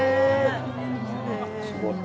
すごい。